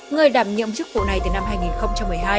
người đảm nhiệm chức vụ này từ năm hai nghìn một mươi hai